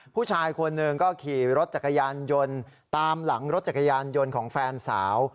ผู้ชายคนหนึ่งก็ขี่รถจักรยานยนต์ตามหลังรถจักรยานยนต์ของแฟนสาว